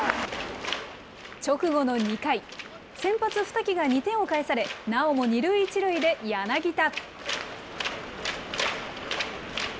直後の２回、先発、二木が２点を返され、なおも２塁１塁で柳田。